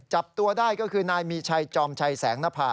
จับตัวได้ก็คือนายมีชัยจอมชัยแสงนภา